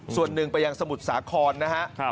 ส่วนหนึ่งไปยังสมุทรสาครนะฮะ